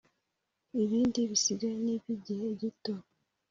ibindi bisigaye nibyigihe gito,